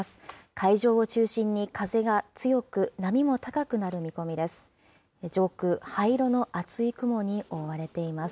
海上を中心に風が強く、波も高くなる見込みです。